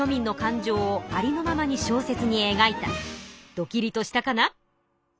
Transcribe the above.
ドキリとしたかな？